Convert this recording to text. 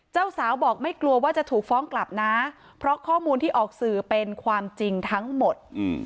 เจ้าสาวบอกไม่กลัวว่าจะถูกฟ้องกลับนะเพราะข้อมูลที่ออกสื่อเป็นความจริงทั้งหมด